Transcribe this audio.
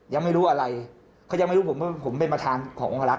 ยังไม่รู้อะไรเขายังไม่รู้ผมว่าผมเป็นประธานขององคลักษ